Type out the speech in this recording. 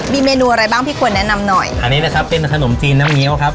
มีเมนูอะไรบ้างพี่ควรแนะนำหน่อยอันนี้นะครับเป็นขนมจีนน้ำเงี้ยวครับ